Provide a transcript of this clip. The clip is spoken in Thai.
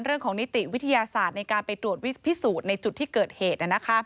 นิติวิทยาศาสตร์ในการไปตรวจพิสูจน์ในจุดที่เกิดเหตุ